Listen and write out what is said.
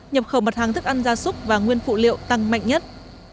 nhập khẩu mặt hàng thức ăn gia súc và nguyên phụ liệu tăng mạnh nhất